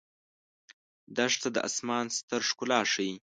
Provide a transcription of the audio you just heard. دښته د آسمان ستر ښکلا ښيي.